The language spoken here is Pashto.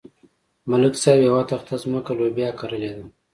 ملک صاحب یوه تخته ځمکه لوبیا کرلې ده.